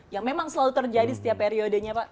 yang memang selalu terjadi setiap periodenya pak